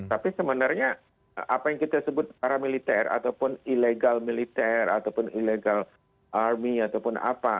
tapi sebenarnya apa yang kita sebut paramiliter ataupun ilegal militer ataupun illegal army ataupun apa